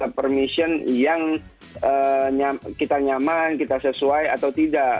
permission yang kita nyaman kita sesuai atau tidak